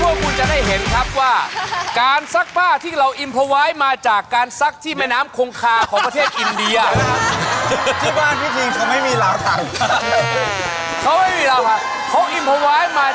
ผมว่าครึ่งกิโลมากสุดครับตอนนี้ครับ